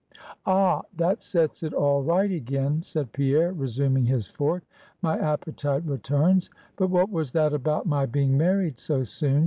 "Ah! that sets it all right again," said Pierre, resuming his fork "my appetite returns. But what was that about my being married so soon?"